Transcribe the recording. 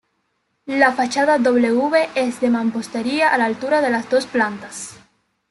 La fachada W es de mampostería a la altura de las dos plantas.